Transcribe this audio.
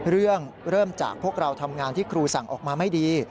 เริ่มเริ่มจากพวกเราทำงานที่ครูสั่งออกมาไม่ดี